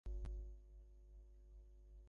আমাকে বাড়ি পৌঁছে দাও।